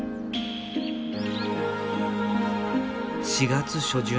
４月初旬。